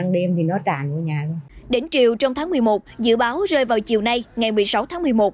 đỉnh chiều trong tháng một mươi một dự báo rơi vào chiều nay ngày một mươi sáu tháng một mươi một